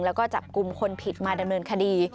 แล้วก็จับกลุ่มคนผิดมาดำเนินคดี